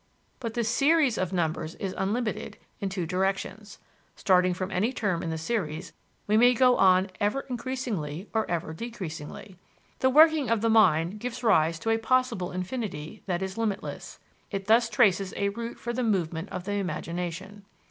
But the series of numbers is unlimited in two directions: starting from any term in the series, we may go on ever increasingly or ever decreasingly. The working of the mind gives rise to a possible infinity that is limitless: it thus traces a route for the movement of the imagination.